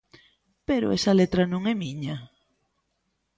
Pero esa letra non é miña!